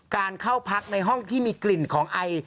การเข้าพักในห้องที่มีกลิ่นของไอ